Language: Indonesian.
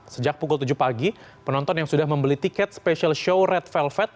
sejak pukul tujuh pagi penonton yang sudah membeli tiket special show red velvet